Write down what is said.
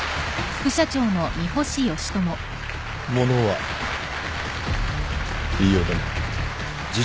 物は言いようだね。